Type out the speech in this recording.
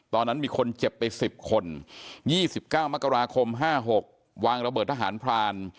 ตอนนั้นมีคนเจ็บไป๑๐คน๒๙มกราคม๕๖วางระเบิดทหารพราน